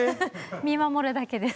見守るだけです。